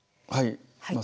はい。